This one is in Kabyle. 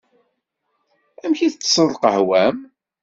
Amek i tsesseḍ lqahwa-m?